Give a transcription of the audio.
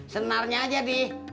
senarnya aja dih